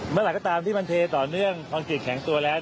เมื่อหลักก็ตามที่มันเทต่อเนื่องความกลิ่นแข็งตัวแล้ว